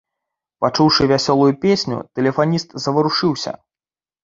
Пачуўшы вясёлую песню, тэлефаніст заварушыўся.